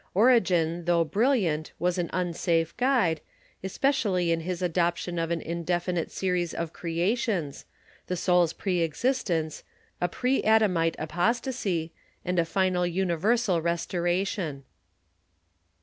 Origen, though brilliant, was an unsafe guide, especially in his adojDtion of an indefinite series of creations, the soul's pre existence, a pre Adamite apostasy, and a final universal restoration.